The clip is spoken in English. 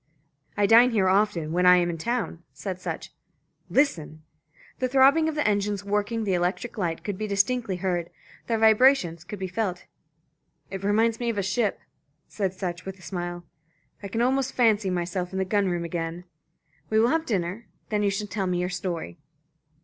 "I dine here often when I am in town," said Sutch. "Listen!" The throbbing of the engines working the electric light could be distinctly heard, their vibrations could be felt. "It reminds me of a ship," said Sutch, with a smile. "I can almost fancy myself in the gun room again. We will have dinner. Then you shall tell me your story."